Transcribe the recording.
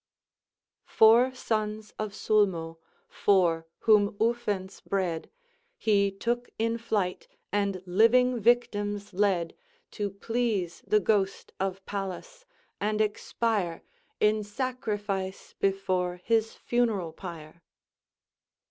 "Four sons of Sulmo, four whom Ufens bred, He took in flight, and living victims led, To please the ghost of Pallas, and expire In sacrifice before his fun'ral pyre."